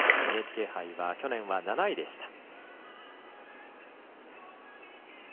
ＮＨＫ杯は、去年は７位でした。